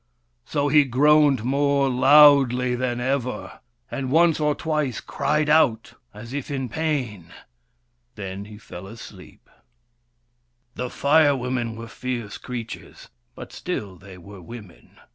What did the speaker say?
So he groaned more loudly than ever, and once or twice cried out as if in pain. Then he fell asleep. The Fire Women were fierce creatures, but still they were women.